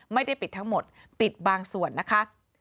ไม่ได้ปิดทั้งหมดปิดบางส่วนนะคะ